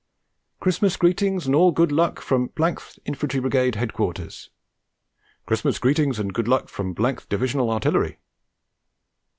'Christmas Greetings and All Good Luck from th Infantry Brigade Headquarters.' 'Christmas Greetings and Good Luck from th Divisional Artillery.'